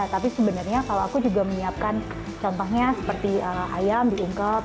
tapi sebenarnya kalau aku juga menyiapkan contohnya seperti ayam diungkep